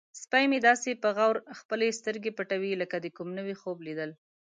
سپی مې داسې په غور خپلې سترګې پټوي لکه د کوم نوي خوب لیدل.